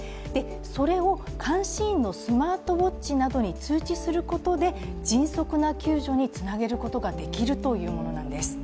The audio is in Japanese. それを監視員のスマートウォッチなどに通知することで迅速な救助につなげることができるというものなんです。